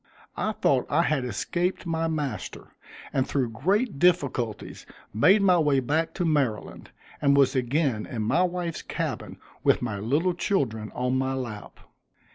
I thought I had escaped my master, and through great difficulties made my way back to Maryland, and was again in my wife's cabin with my little children on my lap.